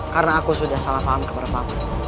karena aku sudah salah paham kepada pak man